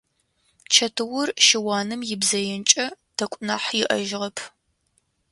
Чэтыур щыуаным ибзэенкӏэ тэкӏу нахь иӏэжьыгъэп.